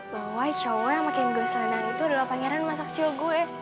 bahwa si cowok yang memakai video selena itu adalah pangeran masa kecil saya